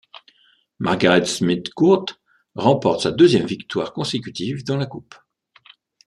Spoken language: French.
Margaret Smith Court remporte sa deuxième victoire consécutive dans la coupe.